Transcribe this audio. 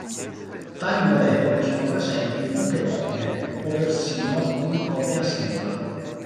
Tali molecole sono presenti in poche copie o persino in copia singola.